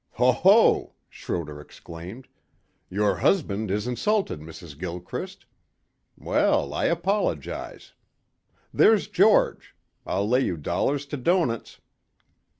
"Ho ho," Schroder exclaimed, "your husband is insulted, Mrs. Gilchrist. Well, I apologize. There's George, I'll lay you dollars to doughnuts."